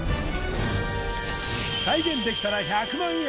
再現できたら１００万円